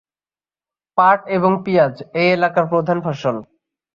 পাট এবং পিঁয়াজ এই এলাকার প্রধান ফসল।